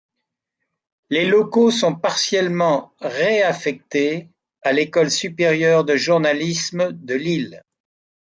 Les locaux sont partiellement ré-affectés à l'École supérieure de journalisme de Lille.